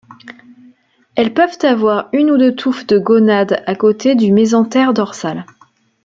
Elles peuvent avoir une ou deux touffes de gonades à côté du mésentère dorsal.